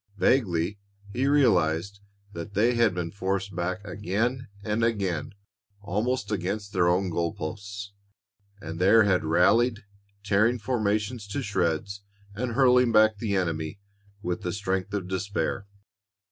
Vaguely he realized that they had been forced back again and again almost against their own goal posts, and there had rallied, tearing formations to shreds and hurling back the enemy with the strength of despair.